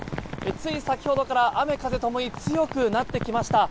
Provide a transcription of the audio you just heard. つい先ほどから雨、風ともに強くなってきました。